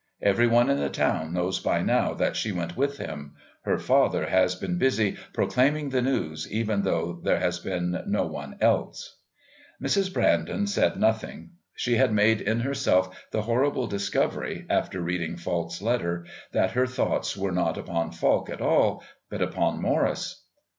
Every one in the town knows by now that she went with him her father has been busy proclaiming the news even though there has been no one else." Mrs. Brandon said nothing. She had made in herself the horrible discovery, after reading Falk's letter, that her thoughts were not upon Falk at all, but upon Morris.